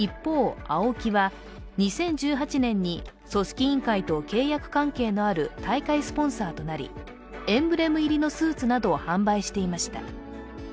一方、ＡＯＫＩは、２０１８年に組織委員会と契約関係のある大会スポンサーとなりエンブレム入りのスーツなどを販売していました。